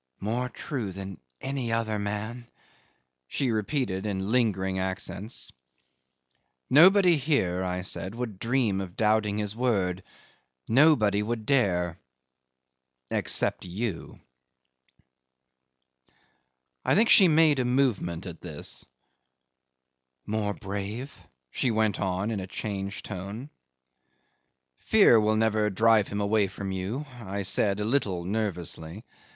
"More true than any other man," she repeated in lingering accents. "Nobody here," I said, "would dream of doubting his word nobody would dare except you." 'I think she made a movement at this. "More brave," she went on in a changed tone. "Fear will never drive him away from you," I said a little nervously.